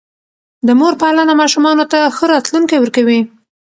د مور پالنه ماشومانو ته ښه راتلونکی ورکوي.